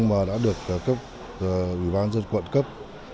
mà đã được các ủy ban dân quận cấp